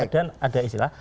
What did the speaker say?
dan ada istilah